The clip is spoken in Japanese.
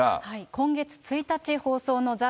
今月１日放送のザ！